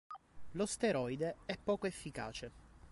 Lo steroide è poco efficace.